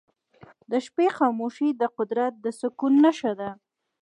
د شپې خاموشي د قدرت د سکون نښه ده.